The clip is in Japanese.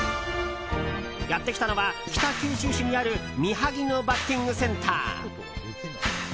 やってきたのは北九州市にある三萩野バッティングセンター。